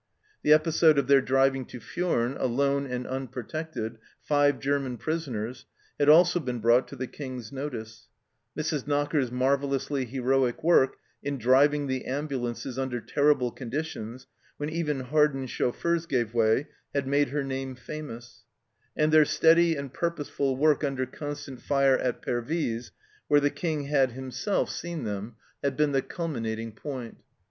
The episode of their driving to Furnes, alone and unprotected, five German prisoners, had also been brought to the King's notice ; Mrs. Knocker's marvellously heroic work in driving the ambulances inder terrible conditions, when even hardened chauffeurs gave way, had made her name famous ; and their steady and purposeful work under constant fire at Pervyse, where the King had himself seen 208 THE CELLAR HOUSE OF PEKVYSE them, had been the culminating point.